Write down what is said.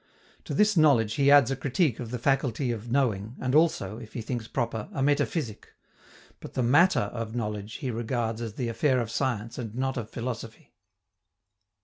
To this knowledge he adds a critique of the faculty of knowing, and also, if he thinks proper, a metaphysic; but the matter of knowledge he regards as the affair of science and not of philosophy.